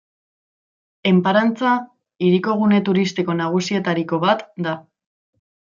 Enparantza hiriko gune turistiko nagusietariko bat da.